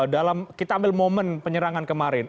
dalam kita ambil momen penyerangan kemarin